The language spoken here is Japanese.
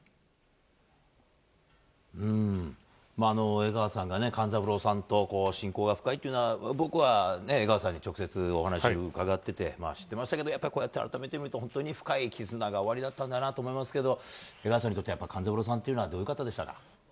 江川さんが勘三郎さんと親交が深いというのは僕は、江川さんに直接お話を伺っていて知ってましたけどこうやって改めて見て本当に深い絆がおありだったんだなと思いますけど江川さんにとって勘三郎さんはどういう方でしたか。